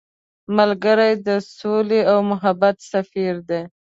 ملګری د سولې او محبت سفیر دی